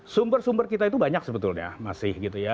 sumber sumber kita itu banyak sebetulnya masih gitu ya